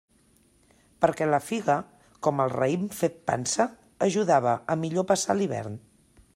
Perquè la figa, com el raïm fet pansa, ajudava a millor passar l'hivern.